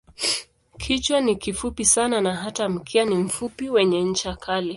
Kichwa ni kifupi sana na hata mkia ni mfupi wenye ncha kali.